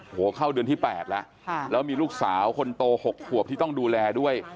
โอ้โหเข้าเดือนที่๘แล้วแล้วมีลูกสาวคนโต๖ขวบที่ต้องดูแลด้วย